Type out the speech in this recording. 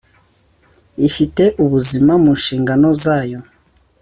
ifite ubuzima mu nshingano zayo